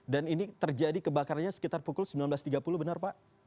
dan ini terjadi kebakarannya sekitar pukul sembilan belas tiga puluh benar pak